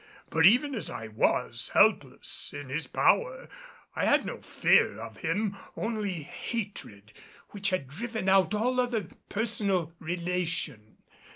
But even as I was, helpless, in his power, I had no fear of him; only hatred, which had driven out all other personal relation.